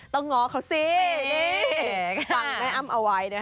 ต้องง้อเขาสิฟังแม่อ้ำเอาไว้นะคะ